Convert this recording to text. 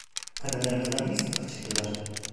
Kadınlarımızdan birisini kaçırdılar…